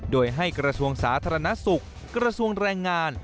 โดยให้กระทรวงสาธารณสุขกระทรวงแรงงาน